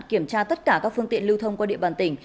kiểm tra tất cả các phương tiện lưu thông qua địa bàn tỉnh